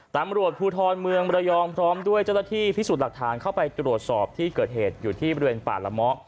ตำรวจภูทรเมืองระยองพร้อมด้วยเจ้าหน้าที่พิสูจน์หลักฐานเข้าไปตรวจสอบที่เกิดเหตุอยู่ที่บริเวณป่าละเมาะ